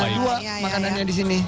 karena dua makanannya di sini